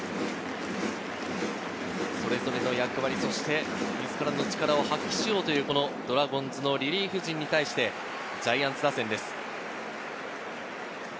それぞれの役割、そして自らの力を発揮しようというドラゴンズのリリーフ陣に対してジャイアンツ打線です。